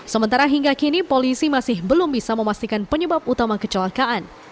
sementara hingga kini polisi masih belum bisa memastikan penyebab utama kecelakaan